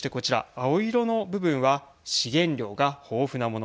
青色の部分は資源量が豊富なもの。